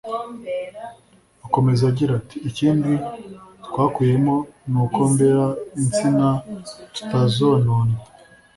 Akomeza agira ati “ikindi twakuyemo ni ukombera insina tutazononnye